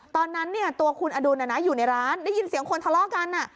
ตอนนั้นตัวคุณอดุลอยู่ในร้านได้ยินเสียงคนทะเลาะกัน